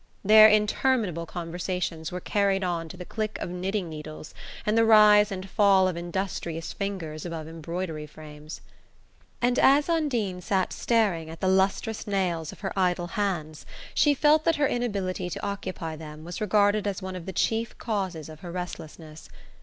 Their interminable conversations were carried on to the click of knitting needles and the rise and fall of industrious fingers above embroidery frames; and as Undine sat staring at the lustrous nails of her idle hands she felt that her inability to occupy them was regarded as one of the chief causes of her restlessness.